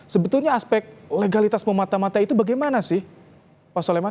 sebetulnya aspek legalitas memata mata itu bagaimana sih pak soleman